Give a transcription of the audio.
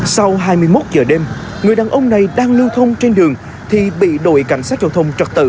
sau hai mươi một giờ đêm người đàn ông này đang lưu thông trên đường thì bị đội cảnh sát giao thông trật tự